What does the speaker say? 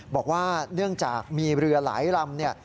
บอกว่าเนื่องจากมีเรือหลายลำ